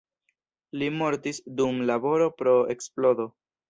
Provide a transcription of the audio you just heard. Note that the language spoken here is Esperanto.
Li mortis dum laboro pro eksplodo.